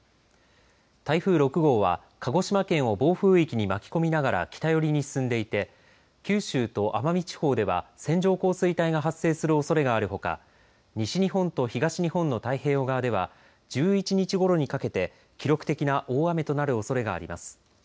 台風６号は、鹿児島県を暴風域に巻き込みながら北寄りに進んでいて九州と奄美地方では線状降水帯が発生するおそれがあるほか西日本と東日本の太平洋側では１１日ごろにかけて記録的な大雨となるおそれがあります。